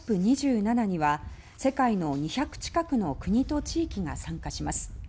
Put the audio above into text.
２７には世界の２００近くの国と地域が参加します。